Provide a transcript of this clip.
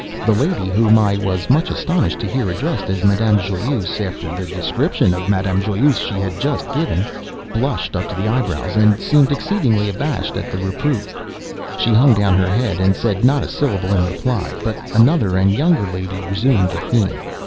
The lady (whom I was much astonished to hear addressed as Madame Joyeuse, after the description of Madame Joyeuse she had just given) blushed up to the eyebrows, and seemed exceedingly abashed at the reproof. She hung down her head, and said not a syllable in reply. But another and younger lady resumed the theme.